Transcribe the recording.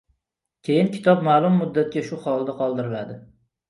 Keyin kitob ma’lum muddatga shu holida qoldiriladi.